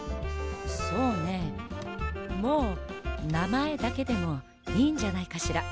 もうなまえだけでもいいんじゃないかしら。